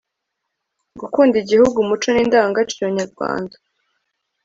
gukunda igihugu, umuco n'indangagaciro nyarwanda